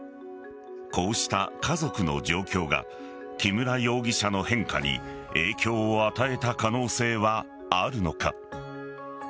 こうした家族の状況が木村容疑者の変化に影響を与えた可能性はあるのか。